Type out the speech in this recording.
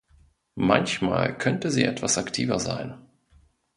Manchmal könnte sie etwas aktiver sein.